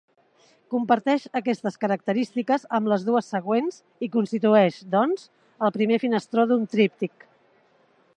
Comparteix aquestes característiques amb les dues següents i constitueix, doncs, el primer finestró d'un tríptic.